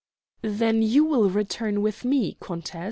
"Then you will return with me, countess?"